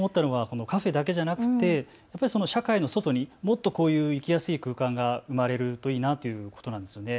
カフェだけではなくて社会の外にもっとこういう行きやすい空間が生まれるといいなということなんです。